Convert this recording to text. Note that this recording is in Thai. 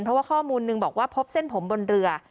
เพราะว่าข้อมูลหนึ่งบอกว่าพบเส้นผมบนเรือ